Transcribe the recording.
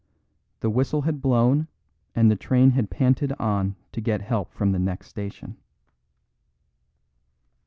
The whistle had blown and the train had panted on to get help from the next station.